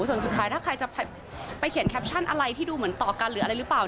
ส่วนสุดท้ายถ้าใครจะไปเขียนแคปชั่นอะไรที่ดูเหมือนต่อกันหรืออะไรหรือเปล่า